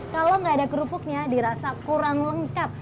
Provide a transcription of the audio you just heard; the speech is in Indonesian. kalau nggak ada kerupuknya dirasa kurang lengkap